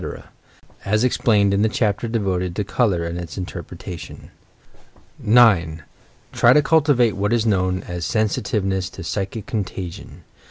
— as explained in the chapter devoted to "Col our and Its Interpretation." 9. Try to cultivate what is known as Sensitiveness to "psychic contagion."